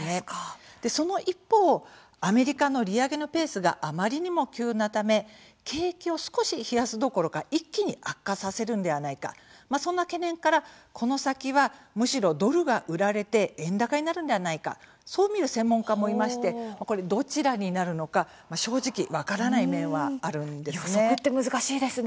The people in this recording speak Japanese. その一方、アメリカの利上げのペースがあまりにも急なため景気を少し冷やすどころか一気に悪化させるんではないかそんな懸念からこの先は、むしろドルが売られて円高になるんではないかそう見る専門家もいましてこれ、どちらになるのか正直、分からない面はあるんです。